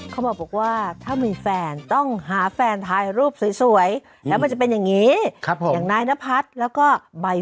เขาบอกว่าถ้ามีแฟนต้องหาแฟนถ่ายรูปสวยแล้วมันจะเป็นอย่างนี้อย่างนายนพัฒน์แล้วก็ใบ